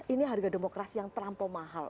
ini harga demokrasi yang terlampau mahal